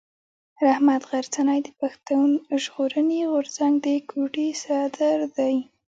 رحمت غرڅنی د پښتون ژغورني غورځنګ د کوټي صدر دی.